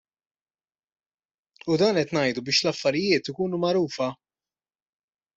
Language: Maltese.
U dan qed ngħidu biex l-affarijiet ikunu magħrufa!